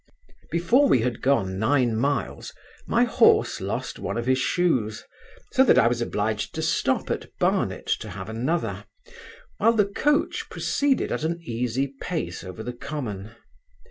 Before we had gone nine miles, my horse lost one of his shoes; so that I was obliged to stop at Barnet to have another, while the coach proceeded at an easy pace over the common.